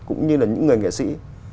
cũng như là những người nghệ sĩ